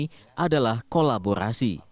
hal ini adalah kolaborasi